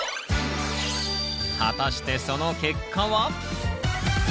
果たしてその結果は？